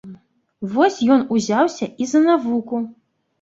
Вось ён узяўся і за навуку.